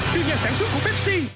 từ nhà sản xuất của pepsi